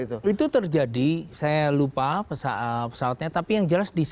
di dunia itu terjadi saya lupa pesawatnya tapi yang jelas dc sepuluh